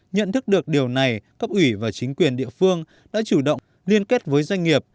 nhận thức được điều này cấp ủy và chính quyền địa phương đã chủ động liên kết với doanh nghiệp